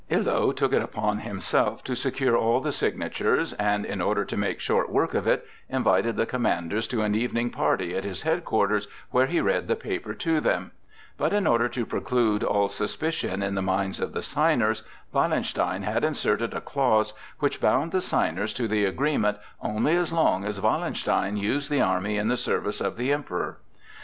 Illo took it upon himself to secure all the signatures, and in order to make short work of it, invited the commanders to an evening party at his headquarters, where he read the paper to them; but, in order to preclude all suspicion in the minds of the signers, Wallenstein had inserted a clause which bound the signers to the agreement only as long as Wallenstein used the army in the service of the Emperor.